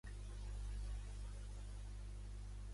Això mateix! —confirma el director, que xafa l'anglès.